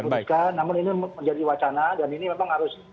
namun ini menjadi wacana dan ini memang harus